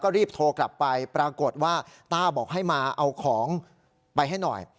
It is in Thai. รีบโทรกลับไปปรากฏว่าต้าบอกให้มาเอาของไปให้หน่อย